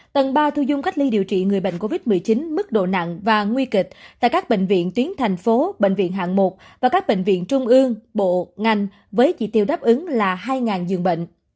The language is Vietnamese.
tầng ba thu dung cách ly điều trị người bệnh covid một mươi chín mức độ nặng và nguy kịch tại các bệnh viện tuyến thành phố bệnh viện hạng một và các bệnh viện trung ương bộ ngành với chỉ tiêu đáp ứng là hai giường bệnh